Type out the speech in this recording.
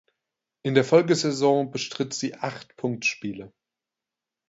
In der Folgesaison bestritt sie acht Punktspiele.